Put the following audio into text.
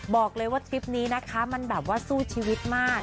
บอกเลยว่าทริปนี้นะคะมันแบบว่าสู้ชีวิตมาก